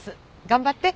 頑張って。